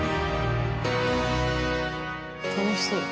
楽しそう。